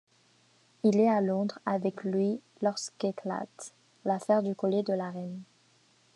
Il est à Londres avec lui lorsqu'éclate l'affaire du collier de la reine.